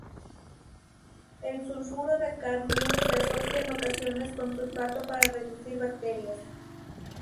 El sulfuro de cadmio se asocia en ocasiones con sulfato para reducir bacterias.